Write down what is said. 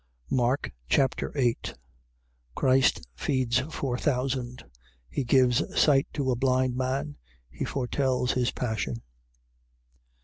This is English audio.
Mark Chapter 8 Christ feeds four thousand. He gives sight to a blind man. He foretells his passion.